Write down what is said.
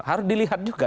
harus dilihat juga